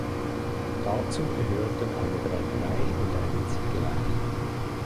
Dazu gehörten eine Brennerei und eine Ziegelei.